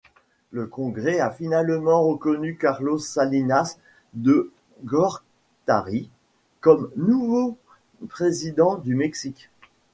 Le Congrès a finalement reconnu Carlos Salinas de Gortari comme nouveau président du Mexique.